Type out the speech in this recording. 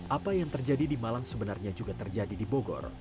apa yang terjadi di malang sebenarnya juga terjadi di bogor